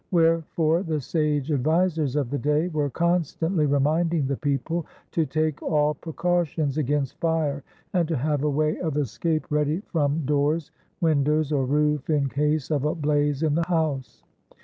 Wherefore the sage advisers of the day were constantly reminding the people to take all precautions against fire and to have a way of escape ITALY ready from doors, windows, or roof in case of a blaze in the house.